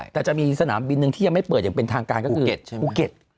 แต่จะมีสนามบินหนึ่งที่ยังไม่เปิดอย่างเป็นทางการก็คือภูเก็ต